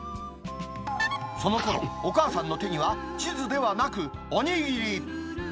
そのころ、お母さんの手には地図ではなくお握り。